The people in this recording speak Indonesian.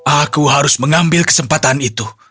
aku harus mengambil kesempatan itu